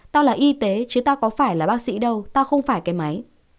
tao là y tế chứ tao có phải là bác sĩ đâu tao không phải cái máy